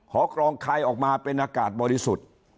อกรองคายออกมาเป็นอากาศบริสุทธิ์